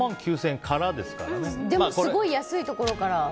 でもすごい安いところから。